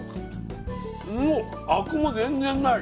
アクも全然ない。